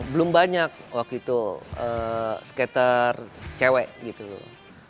belum banyak waktu itu skater cewek gitu loh